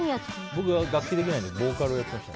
僕、楽器できないのでボーカルやってました。